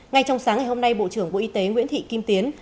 ngay trong sáng ngày hôm nay bộ trưởng bộ y tế nguyễn thị kim tiến